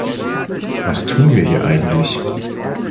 Was tun wir hier eigentlich?